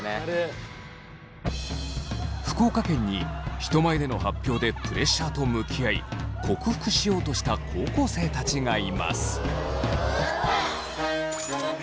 福岡県に人前での発表でプレッシャーと向き合い克服しようとした高校生たちがいます。